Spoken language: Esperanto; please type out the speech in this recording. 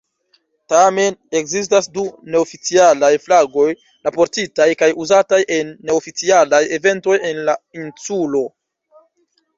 Tamen, ekzistas du neoficialaj flagoj raportitaj kaj uzataj en neoficialaj eventoj en la insulo.